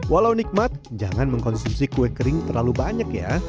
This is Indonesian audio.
walau nikmat jangan mengkonsumsi kue kering terlalu banyak ya